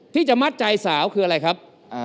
ที่จะมัดใจสาวคืออะไรครับ